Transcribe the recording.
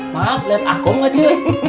maaf liat akom gak ce